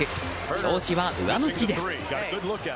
調子は上向きです。